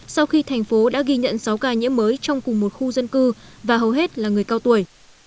sau khi thành phố đã ghi nhận sáu ca nhiễm mới trong cùng một khu dân cư và hầu hết là người cao tuổi